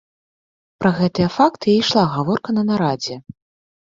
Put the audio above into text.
Пра гэтыя факты і ішла гаворка на нарадзе.